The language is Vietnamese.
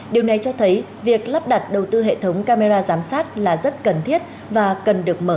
điều này cho thấy việc lắp đặt đầu tư hệ thống camera giám sát là rất cần thiết và cần được mở rộng